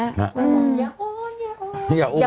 อย่าโอนอย่าโอน